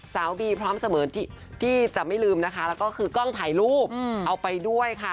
บีพร้อมเสมอที่จะไม่ลืมนะคะแล้วก็คือกล้องถ่ายรูปเอาไปด้วยค่ะ